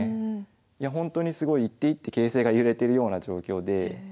いやほんとにすごい一手一手形勢が揺れてるような状況で。